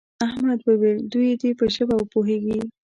احمد وویل دوی دې په ژبه پوهېږي.